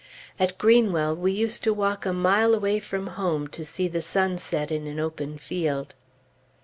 At Greenwell, we used to walk a mile away from home to see the sun set in an open field.